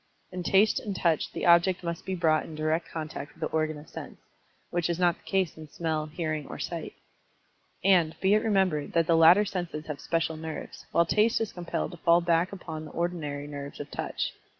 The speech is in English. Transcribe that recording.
In Taste and Touch the object must be brought in direct contact with the organ of sense, which is not the case in Smell, Hearing, or Sight. And, be it remembered, that the latter senses have special nerves, while Taste is compelled to fall back upon the ordinary nerves of Touch.